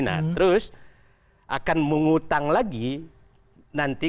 nah terus akan mengutang lagi nanti